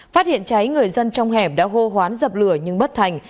phát hiện cháy người dân trong hẻm đã hô hoán dập lửa nhưng bất thành